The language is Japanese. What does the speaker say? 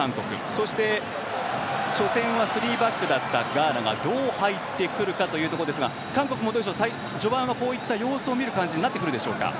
そして、初戦はスリーバックだったガーナがどう入ってくるかというところですが、韓国も序盤は様子を見る感じになってくるでしょうか？